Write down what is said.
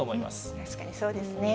確かにそうですね。